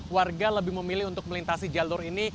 warga lebih memilih untuk melintasi jalur ini